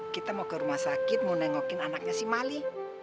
kita mau ke rumah sakit mau nengokin anaknya si mali